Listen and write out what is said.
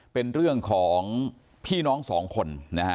เป็นเรื่องของพี่น้อง๒คน